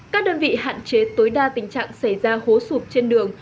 các đơn vị hạn chế tối đa tình trạng xảy ra hố sụp trên đường